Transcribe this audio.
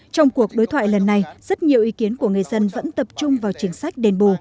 trong cuộc đối thoại lần này rất nhiều ý kiến của người dân vẫn tập trung vào chính sách đền bù